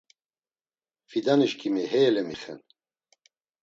Fidanişǩimi hey elemixen.